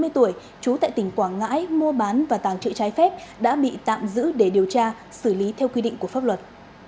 ba mươi tuổi trú tại tỉnh quảng ngãi mua bán và tàng trự trái phép đã bị tạm giữ để điều tra xử lý theo quy định của pháp luật